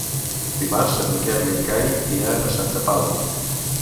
Dimarts en Miquel i en Cai iran a Santa Pau.